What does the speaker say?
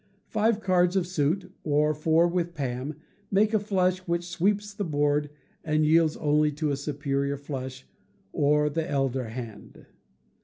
Five cards of a suit, or four with pam, make a flush which sweeps the board, and yields only to a superior flush, or the elder hand.